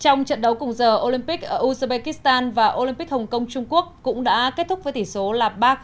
trong trận đấu cùng giờ olympic uzbekistan và olympic hong kong trung quốc cũng đã kết thúc với tỷ số là ba